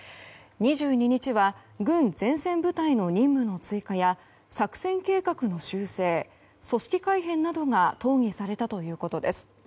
２２日は軍前線部隊の任務の追加や作戦計画の修正、組織改編などが討議されたということです。